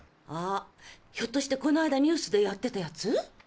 あひょっとしてこないだニュースでやってたやつ？